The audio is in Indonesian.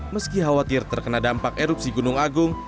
meski khawatir terkena dampak erupsi gunung agung